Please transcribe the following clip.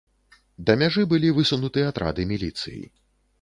Да мяжы былі высунуты атрады міліцыі.